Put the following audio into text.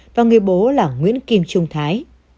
và người bố là nguyễn kim trung thái